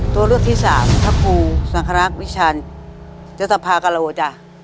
ตัวเลือกที่สามพระครูสังครักษ์วิชันยศภากะโลจ้ะ